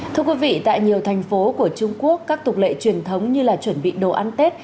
thưa quý vị tại nhiều thành phố của trung quốc các tục lệ truyền thống như là chuẩn bị đồ ăn tết